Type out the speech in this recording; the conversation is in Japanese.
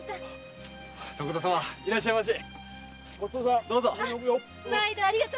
徳田様いらっしゃいまし！